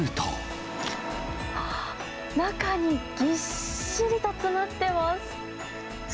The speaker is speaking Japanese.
中にぎっしりと詰まってます。